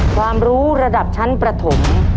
ความรู้ระดับชั้นประถม